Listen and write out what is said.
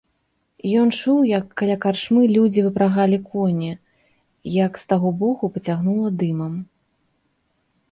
Ён чуў, як каля карчмы людзі выпрагалі коні, як з таго боку пацягнула дымам.